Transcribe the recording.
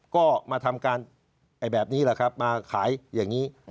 ก็มาทำการแบบนี้แหละครับมาขายอย่างนี้